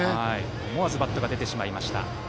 思わずバットが出てしまいました。